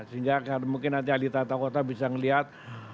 sehingga mungkin nanti adik adik kota bisa melihat